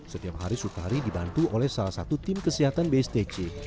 setiap hari sutari dibantu oleh salah satu tim kesehatan bstc